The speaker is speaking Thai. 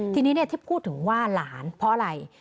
ทีนี้ที่พูดถึงว่าหลานเพราะอะไร